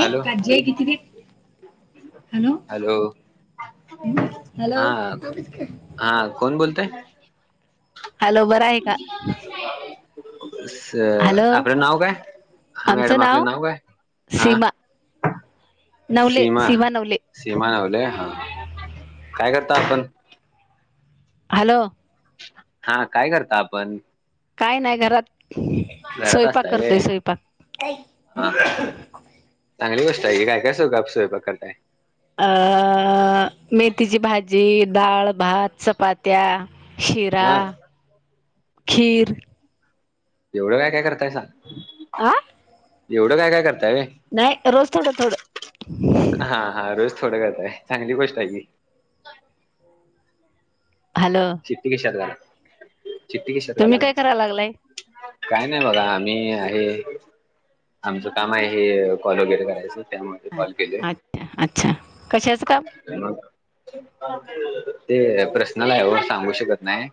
Hello काजी आहे किती ते हॅलो हॅलो हा ह हॅलो बरं आहे का हॅलो आपलं नाव काय हा मॅडम आपलं नाव काय हा सीमा नवले सीमा नवले सीमा नावले हा काय करता आपण हॅलो हा काय करता आपण काही नाही घरात घरात स्वयंपाक असतय करतोय स्वयंपाक हा हा चांगली गोष्ट आहे की काय काय स्वैपाक करताय अ मेथीची भाजी डाळ भात चपात्या शिरा हा खीर एवढं काय काय करताय सां आं एवढं काय काय करं नाही रोज थोडं थोडं हा हा रोज थोडं करतय चांगली गोष्ट आहे की हॅलो चिट्टी कशाला तुम्ही काय करायला लागलाय काय नाही बघा आम्ही आहे आमचं काम आहे हे कॉल वगैरे करायचं त्यामध्ये कॉल केले अच्छा अच्छा कशाचं काम ते प्रश्नलाय हो सांगू शकत नाही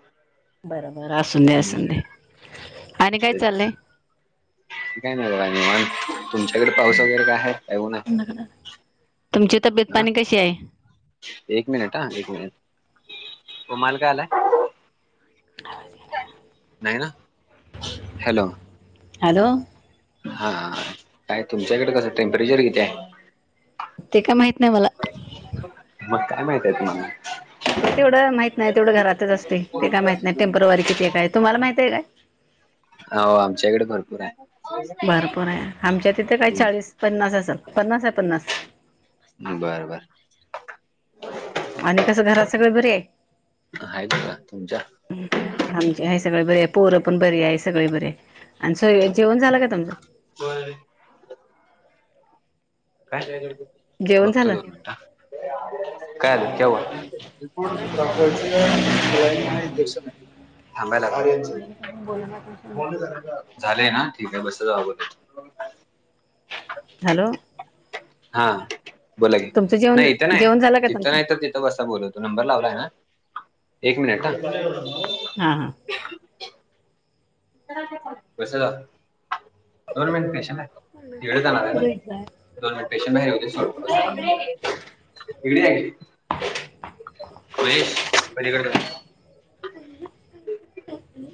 बरोबर असून दे हम्म, असून दे आणि काय तेच चाललंय काय नाही बघा निवांत तुमच्याकडे पाऊस वगैरे काय आहे काय ऊन आहे तुमची तब्येत हा पाणी कशी आहे एक मिनिट ह एक मिनिटमाल काय आलाय ह नाही ना हॅलो हॅलो हा काय तुमच्याकडे कसं टेम्परेचर किती आहे? ते का माहिती [inaudible] मग काय माहतीय तुम्हाला? तेवढं माहित नाही तेवढं घरातच असते ते काय माहित नाही टेम्परवारी किती काय तुम्हाला माहित आहे काय? हो आमच्याकडे भरपूर आहे. भरपूर आहे आमच्या तिथे काही हम्म चाळीस पन्नास असेल. पन्नास आहे पन्नास बर बरं आणि कस घरात सगळे बर आहे आहे का तुमच्या आम हे सगळे बरे आहे पोर पण बरी आहे सगळे बरे. आणि स जेवण झालं काय तुमचं? काय काय जेवण बघतो झालं दोन मिनट क्या है क्या हुआ,? रिपोर्ट दाखवायचे आहे आणि सलाईन आणि इंजेक्शन थांबायला ब झालेय ना. [unintelligible] हॅलो हा बोला की तुमचं जेवण नाही इथं नाही जेवण झालं का तिथं तुमचं नाही तर तिथं बसा बोलू तो नंबर लावलाय ना. एक मिनिट ह हा हा कस झालं? दोन मिनट स्टेशन आहे तिकडे जाणार आहे ना दोन मिनट स्टेशन हे सड तिकडे आहे महेश पलीकडे जा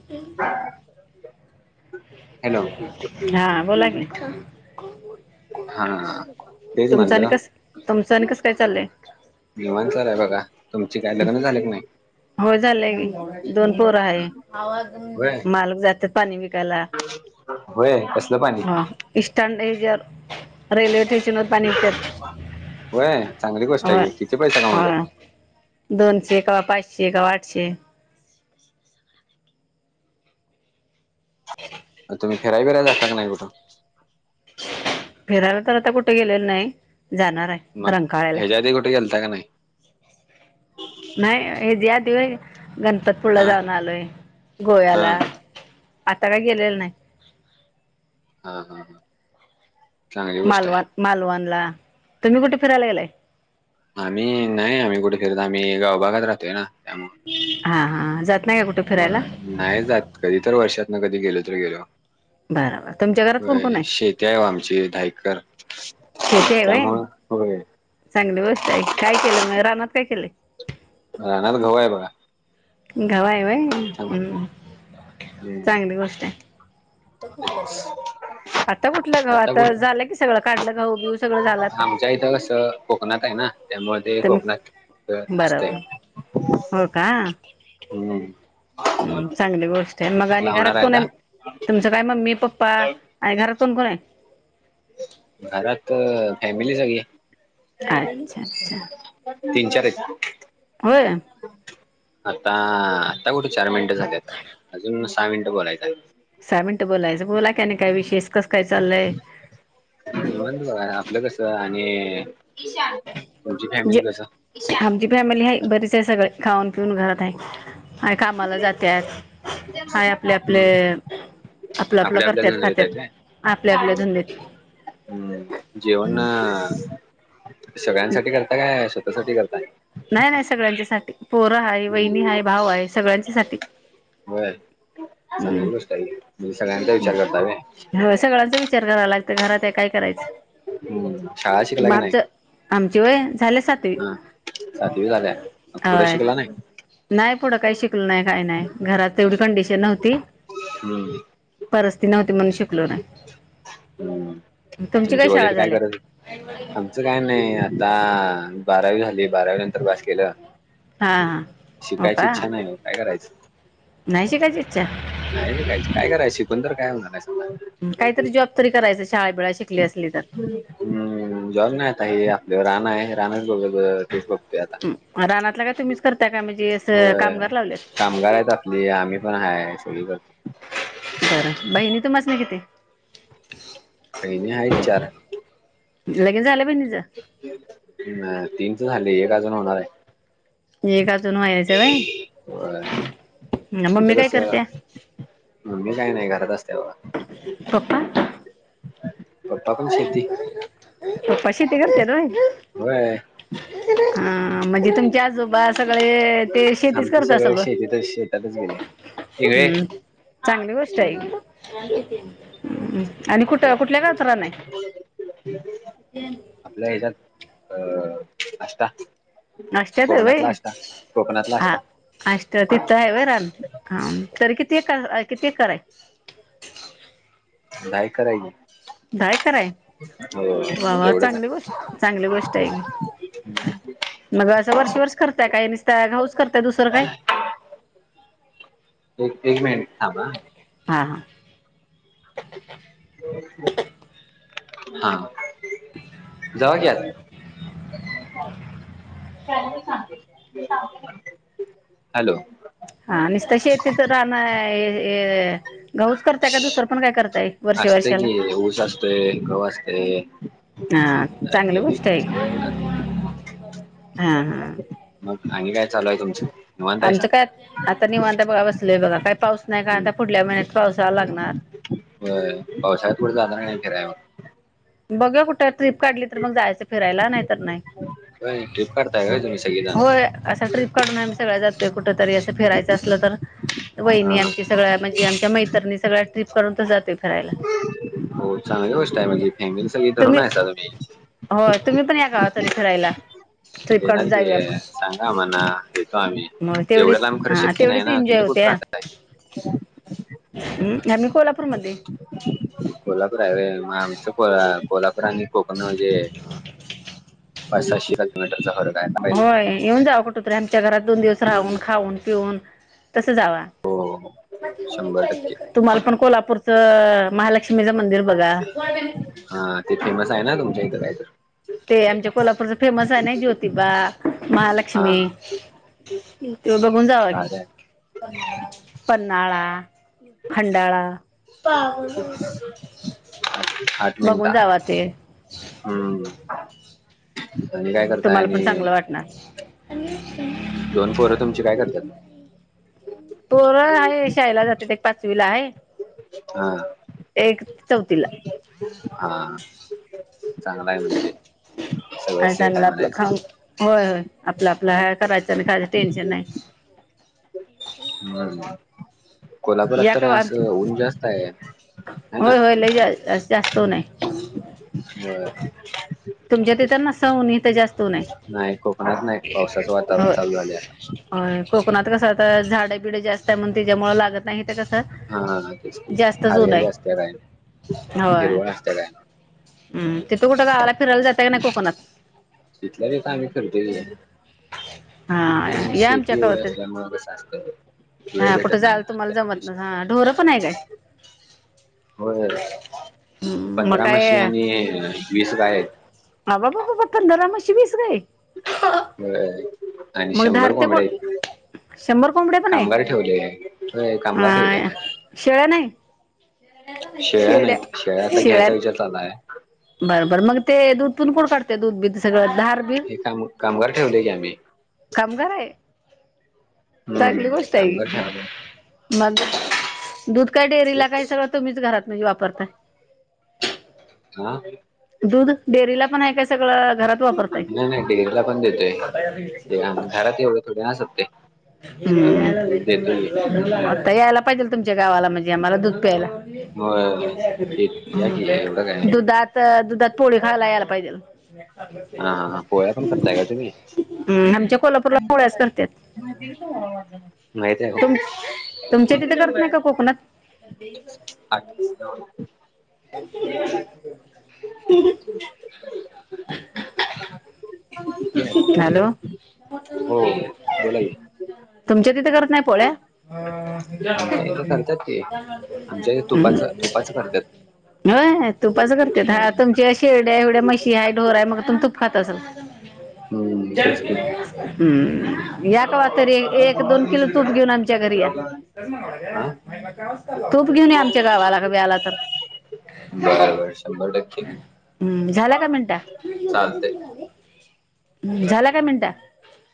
[inaudible] हॅलो हा बोला मठ हा तेच तुमचं आणि म्हणलं कस? तुमचं आणि कसं काय चाललंय? निवांत चाललंय बघा. तुमचे काय लग्न झाले की नाही? हो झालंय दोन पोर हा. आहे होय मालक जातात पाणी विकायला होय कसलं पाणी हा इ्टँड हे ज रेल्वे टेश नमधे पाणी विकत्यात. होय चांगली गोष्ट हो, आहे की किती पैसा होय. कमवतात दोनशे कवा पाच [unintelligible] शे कवा आठशे. मग तुम्ही फिराय- बिराय जाताय का नाही कुठे? फिरायला तर आता कुठे गेलेलं नाही, जाणाराय रंकाळ्याला. ता का नाही? नाही, हे ज्या [unintelligible] गणपतपुळ्याला हा जाऊन आलोय, हा गोव्याला, आता काय गेलेलो नाही. हा् हा हा चांगली गोष्ट मालवाण आहे - मालवाणला. तुम्ही कुठ फिरायला गेलाय? आम्ही, नाही आम्ही कुठे फिरत. आम्ही गाव भागात राहतोय ना. त्यामुळे [unintelligible] हा हा जात नाही का कुठे होय, फिरायला नाही जात, कधी तर वर्षात न कधी गेलो [unintelligible] बरं बरं तुमच्या घरात कोण कोण होय, शेती आहे ओ आमची, दहा एकर. शेती हाय व्हय, चांगली गोष्ट हाय. केलं म रानात काय केलय? रानात गहू हाय बघा. गहू हाय त्यामुळं ह, हम्म चांगली गोष्टाय. कुठल आता कुठलं घाव, आता झालं कि सगळं काढलं घवू बिऊ सगळं झालं आता. आमच्या इथं कसं कोकणात आहे ना त्यामुळे ते तर म कोकणात बरोबर. असतंय हो का. हम्म हम चांगली गोष्टय. मग आणि लावणार घरात आहे का कोणय? तुमचं काय मम्मी-पप् ्पा घरात कोण कोणय? [unintelligible] घरात अ फॅमिली सगळी. आणि छान छान. तीन चार [inaudible] होय. आता, आता कुठे चार मिन ट झाल्यात. अजून [unintelligible] सहा मिनटं बोलायचं. सहा मिनट बोलायचं बोला क नाही काय विशेष कसं काय चाललंय. आपलं कसं आहे. आणि आणि ईश तुमची फॅमिली कस ईश. सगळी. खाऊन पिऊन घरात आहे आणिय कामाला जातत हाय आपले आपले हम्म आपलं आपलं आपल्या आपल्या करतत नजरेत खातत आहेत आपल्या काय आपल्या धुंदीत आहे. हम्म जेवण सगळ्यांसाठी करता काय स्वतःसाठी करताय. पोर ह वहिनी ह भाऊ आहे सगळ्यांच्या साठी. होय हम्म सांगल गोष्ट म्ह सगळ्यांचा विचार करता का? चार कराय लागते घरात काय करायचं हम्म शाळा शिकला काी नाही. आमय झा सात वी हा सातवी झाल्या पुढे शिकला नाही. नाही पुढ काही शिकल नाही का नाही घरात तेवढी कंडिशन न्हवती. असते नाव्ह मन ह तुमची तुमचे शाळा वडील काय झाल्या करात आमचं काय नाही. द बारावी झाली बारावी नंतर पास केलं. हा हा हो शिकायची का इच्छा नाही काय करायच नाही शिकायची इच्छा नाहीयच काय करायच शिकून तर [inaudible] काहीतरी जॉब तरी करायचं शाळे बिळा शिकली असली तर हम्म चॅन वगैर रानातलं का तुम्हीच करता का म्हणजे असं होय. कामगार लावले कामगार आहेत आपली आम्ही पण हाय सगळी करतो बरं बहिणी तुम्हाच नाही किती? [inaudible] पहिन अयचार. लगेन झालं पण ह तीन झाली एक अजून होणार आहे. एक अजून व्हायचं व्हय हो मम्मी तिथं काय कस करत्या मममी काही नाही घरात असते बाबा [inaudible] पाशी ते करते रय होय ह म्हणजे तुमच्या आजोबास सगळे ते शेतीच आमचे करत सगळे असल शेतीतच शेतातच गेले इगळे हम् चांगली गोष्ट हम्म आहे. हम्म. आणि कुठं कुठल्या का? आपल्या हच्यात अ अष्टा आष्ट्याच होय? कोकणातला आ आष्टा आष्टा तिथं हाय होय राहणं आ तरी की ते कर अ कि ते कराय. [inaudible] नाही करायची. काय कराय वा वा तेवढंच चांगली हाय गोष्ट, चांगली गोष्ट आहे मग असं वर्ष-वर्ष करताय काय निसत घऊच करताय दुसरं काय? अबा [unintelligible] हां हां. [inaudible] [inaudible] हा. जावा की आत. [inaudible] [inaudible] हॅलो. हा निसत शेतीत राहण हे ए घऊच करताय काय दुसरं पण काय करताय वर्षे असतय वर्षाला, की ऊस असतोय गहू असतय हा चांगल आणि गोष्ट आहे सगळं हेच असतय. [inaudible] हा हा. मग आणि काय चालू आहे तुमचं? निवांत हायसा आमचं काय आता निवांत हाय बघा बसलोय बघा. काय पाऊस नाही काय आता पुुढल्या महि [inaudible] होय पावसाळ्यात पुढ जागा नाही. कऱ्याव. बघ कुठत. ट्रीप काढली तर मग जायचं फिरायला नाही तर नाही. होय ट्रिप करताय होय तुम्ही [inaudible] सगळेजण होय अस ट्रिप काढून आमी सगळ्या जातो. ते कुठ? तरी असं फिरायचं असलं तर हा वहिणी आमची सगळ्या म्हणजे आमच्या मैतरनीच. सगळ्या ट्रीप करून तर जाते फिरायला. हो चांगली गोष्ट फॅमिली, फॅमिली सगळी तरुण हाईसा तुम्ही. हो तुम्ही पण या कवा तरी फिरायला. ट्रिप येणार काढून की जाऊया आपण सांगा आमांणा येतो आम्ही मग एवढ्या तेवढीच लांब खरं हा शक्य नाही तेवढीच हाय ह. ना एन्जॉय तुम्ही कुठ होत्या राहताय? [inaudible] हम्म आमी कोल्हापूरमध्ये. [inaudible] ते म आमचं कोला-कोल्हापूर आणि कोकण मजे पा-साशे [unintelligible] होय येऊन जावा कुठतरीे आमच्या घरात दोन दिवस राहून, खाऊन, पिऊन. तस जावा. हो हो, शंभर टक्के तुम्हाला पण कोल्हापूरच महालक्ष्मीचं मंदिर बघा. [inaudible] हा ते फेमस आहे ना तुमच्या इथं काय तर. ते आमच्या कोल्हापूरच फेमस आहे ना ज्योतिबा. हा महालक्ष्मी. नी. ते बघून जावा की. भारी आहे पन्हाळा. खंडाळा. बघून मिनटा जावा ते हम्म. आणि काय करताय तुम्हाला पण चांगलं आणि वाटणार. दोन पोरं तुमची काय करतात [unintelligible] तोर आहे शाळेला जात्याती. पाचवीला हाय. हा. हा. चांगला आहे म्हणजे सगळं आणि सेट चांगलं आहे आपलं म्हणायचं. खाऊन होय होय आपलं आपलं ह करायचं आणि खायचं टेन्शन नाही. बर कोल्हापुरात या तर का असं आमच्या ऊन जास्त हाय. होय होय लय जा जा तो नाही. व्हय. तुमच्या तिथं नसाव ऊन इथं जास्त ऊन नाही कोकणात नाही पावसाचं वातावरण हाय. चालू झालंय आता होय. कोकणात कसं आता झाडबिड जास्त हाय म्हणून त्याच्यामुळे लागतं हा तेच ऊन हारलेली आहे असते काय होय हिरवळ असतं काय? हम्म तिथं कुठं गावाला फिरायला जाता का नाही कोकणात? तिथल्या तिथं आम्ही फिरतो की. हा कारण या आमच्या शेती एवढी कवतर असल्यामुळे कसं असतं वेळ हा कुठे भेटत नाही जायला ना तुम्हाला त्या जमत ना विषयी हा ढोर पण आहे काय? हो. हम्म, मग पंधरा म्हशी काय आणि वीस गाय बाबा बाबा आहेत. पंधरा म्हशी वीस गाई. होय. आणि मग शंभर धार ते कोंबड्या कोण हायत, कामगार ठेवलय. हा शेळ्या नाही. शेळ्या नाहीत शेळ्या आता घ्यायचा विचार चालू आहे. बरं बरं मग ते दूध पण कोण काढते. दूध बी हे काम कामगार ठेवले की आम्ही. काम कय. चांगली हम्म गोष्ट कामगार आहे. ठेवाले मग? दूध काय डेअरीला काय तेच सगळं तुम्हीच घरात म्हणजे वापरताय. हा. दूध डेअरीला पण आहे काय सगळं घरात. वापरताय नाही नाही डेरीला ला पण देतोय घरात येवढं थोडे ना संपतंय. हम्म आता यायला पाहिजे. तुच्या गावाला म्हणजे आम्हाला दूध प्यायला. की होय ते या की एवढं काय दुधात दुधात पोळी खायला याला पाहिजेल. हा हा हा पोळ्या पण करताय. का तुम्ही? आमच्या कोल्हापूरला पोळ्याच करतात माहित आहे. तुम तुमच्या तिथे करत नाही का कोकणात [unintelligible] हा. हॅलो हो बोला की तुमच्या तिथे कर नाही पोळ्या - आमच्या इथं करतात की [inaudible] आमच्या इथे तुपाच तुपाचं करतात होय तुपाच करते. होय. [unintelligible] [unintelligible] हम्म [inaudible] तेच की. हम्म या का [unintelligible] तरी म्हणजे एक दोन जमल किलो तूप दुसरीकडे घेऊन आमच्या घरी या दवाखान्यात. हा तूप घेऊन या आमच्या गावाला कधी आला तर बरं बर शंभर टक्के हम् झाला का चालतंय. [unintelligible] झाला काय [unintelligible]